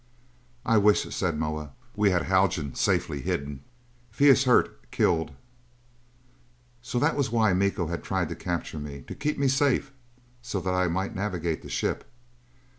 "I wish," said Moa, "we had Haljan safely hidden. If he is hurt killed " So that was why Miko had tried to capture me? To keep me safe so that I might navigate the ship.